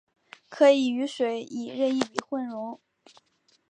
可以与水以任意比混溶。